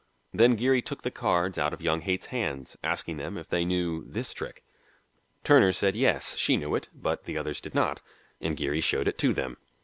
Then Geary took the cards out of young Haight's hands, asking them if they knew this trick. Turner said yes, she knew it, but the others did not, and Geary showed it to them.